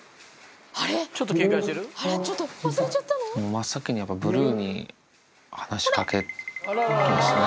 真っ先にブルーに話しかけてますね。